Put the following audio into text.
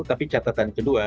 tapi catatan kedua